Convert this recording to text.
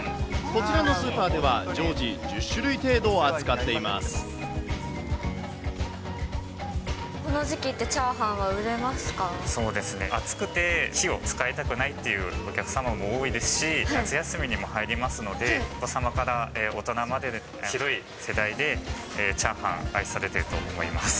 こちらのスーパーでは、常時、この時期って、チャーハンはそうですね、暑くて火を使いたくないっていうお客様も多いですし、夏休みにも入りますので、お子様から大人まで、広い世代でチャーハン愛されていると思います。